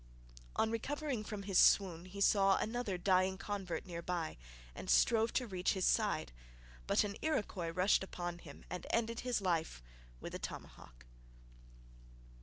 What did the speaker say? On recovering from his swoon he saw another dying convert near by and strove to reach his side, but an Iroquois rushed upon him and ended his life with a tomahawk.